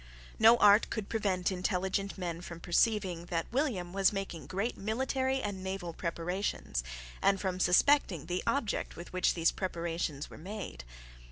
No art could prevent intelligent men from perceiving that William was making great military and naval preparations, and from suspecting the object with which those preparations were made.